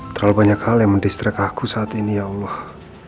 terlalu banyak hal yang mendistract aku saat ini ya allah